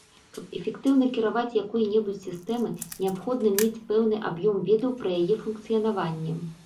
Каб эфектыўна кіраваць якой-небудзь сістэмай, неабходна мець пэўны аб'ём ведаў пра яе функцыянаванне.